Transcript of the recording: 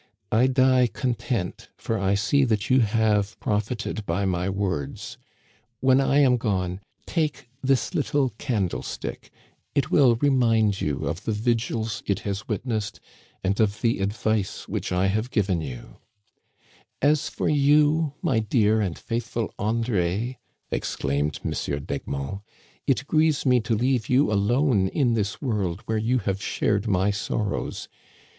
I die content, for I see that you have profited by my words. When I am gone, take this little candlestick. It will remind you of the vigils it has witnessed and of the advice which I have given you. " As for you, my dear and faithful André," exclaimed M. d'Egmont, '* it grieves me to leave you alone in this Digitized by VjOOQIC 28o THE CANADIANS OF OLD. world where you have shared my sorrows.